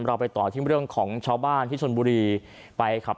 ไปต่อที่เรื่องของชาวบ้านที่ชนบุรีไปขับ